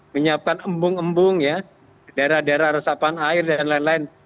menyiapkan embung embung ya daerah daerah resapan air dan lain lain